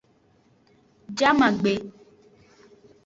Jamagbe.